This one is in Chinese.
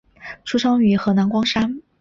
出生于河南光山。